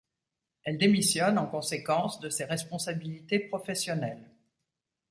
Elle démissionne en conséquence de ses responsabilités professionnelles.